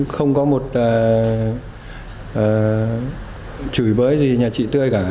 không có một chửi bới gì nhà chị tươi cả